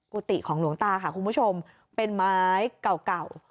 กุฏิของหลวงตาค่ะคุณผู้ชมเป็นไม้เก่าเก่า